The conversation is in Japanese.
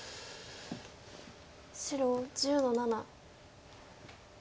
白１０の七。